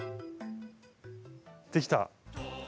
できた？